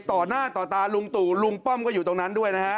ต่อหน้าต่อตาลุงตู่ลุงป้อมก็อยู่ตรงนั้นด้วยนะฮะ